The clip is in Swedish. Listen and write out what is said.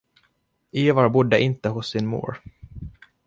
Ivar bodde inte hos sin mor.